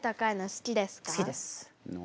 好きです。